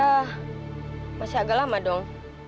ya masih agak lama dong